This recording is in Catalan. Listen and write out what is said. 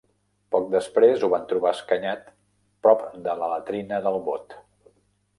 Poc després, ho van trobar escanyat prop de la latrina del bot.